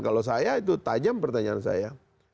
kalau saya itu tajam pertanyaan saya